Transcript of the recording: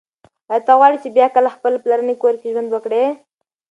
ایا ته غواړې چې بیا کله په خپل پلرني کور کې ژوند وکړې؟